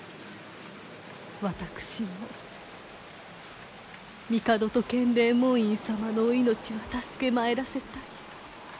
私も帝と建礼門院様のお命は助けまいらせたい。